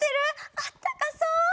あったかそう！